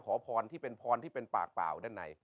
ขอพรที่เป็นพรที่เป็นปากเปล่าด้านใน